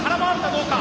どうか！